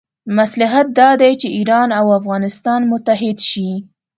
مصلحت دا دی چې ایران او افغانستان متحد شي.